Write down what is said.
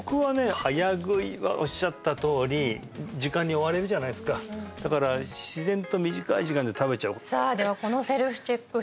早食いはおっしゃったとおり時間に追われるじゃないですかだから自然と短い時間で食べちゃうさあではこのセルフチェック表